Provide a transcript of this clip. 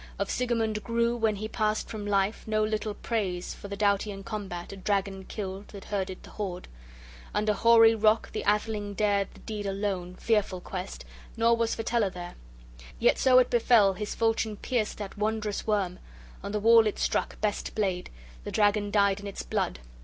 Of Sigemund grew, when he passed from life, no little praise; for the doughty in combat a dragon killed that herded the hoard: {13a} under hoary rock the atheling dared the deed alone fearful quest, nor was Fitela there. Yet so it befell, his falchion pierced that wondrous worm, on the wall it struck, best blade; the dragon died in its blood.